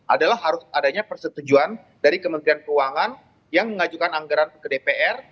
adalah harus adanya persetujuan dari kementerian keuangan yang mengajukan anggaran ke dpr